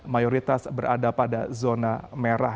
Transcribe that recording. mayoritas berada pada zona merah